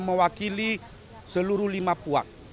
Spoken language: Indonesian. mewakili seluruh lima puak